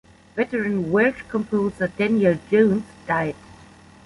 Veteran Welsh composer Daniel Jones died.